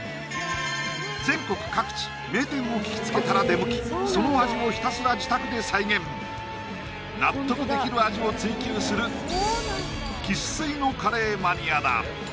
全国各地名店を聞きつけたら出向きその味をひたすら自宅で再現納得できる味を追求するいや